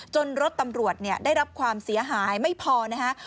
รถตำรวจได้รับความเสียหายไม่พอนะฮะ